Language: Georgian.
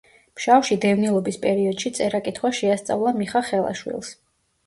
ფშავში დევნილობის პერიოდში წერა კითხვა შეასწავლა მიხა ხელაშვილს.